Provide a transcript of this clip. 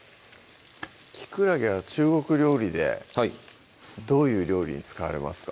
きくらげは中国料理でどういう料理に使われますか？